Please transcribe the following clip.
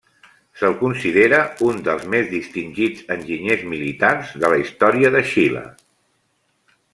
Se'l considera un dels més distingits enginyers militars de la història de Xile.